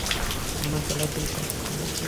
আমার গলার দুই পাশে ফুলে গিয়েছে।